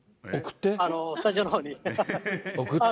スタジオのほうに。